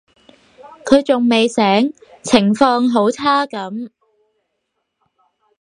佢仲未醒，情況好差噉